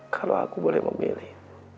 kalau aku boleh memilih